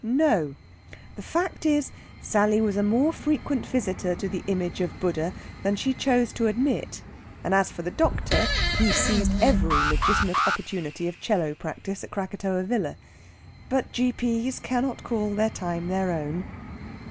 No; the fact is, Sally was a more frequent visitor to the image of Buddha than she chose to admit; and as for the doctor, he seized every legitimate opportunity of 'cello practice at Krakatoa Villa. But G.P.'s cannot call their time their own.